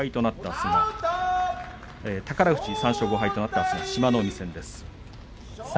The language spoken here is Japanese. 宝富士３勝５敗であすは志摩ノ海です。